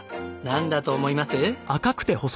なんだと思います？